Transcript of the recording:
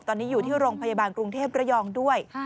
ตอนนี้อยู่ที่โรงพยาบาลกรุงเทพระยองด้วย